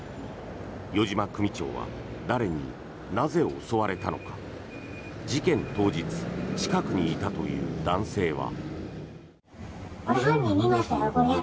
余嶋組長は誰になぜ襲われたのか事件当日、近くにいたという男性は。